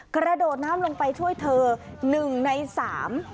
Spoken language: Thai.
กระโดดน้ำลงไปช่วยเธอหนึ่งในสาม